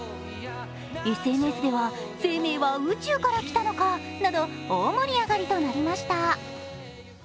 ＳＮＳでは、生命は宇宙からきたのかなどと大盛り上がりとなりました。